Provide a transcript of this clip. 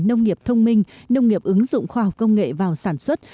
nông nghiệp thông minh nông nghiệp ứng dụng khoa học công nghệ vào sản xuất